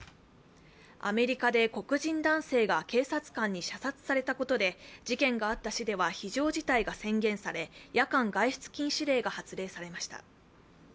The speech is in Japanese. アメリカで黒人男性が警察官に射殺されたことで、事件があった市では非常事態が宣言され夜間外出禁止令が発令されました。